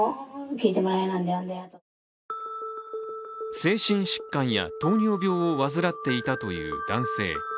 精神疾患や糖尿病を患っていたという男性。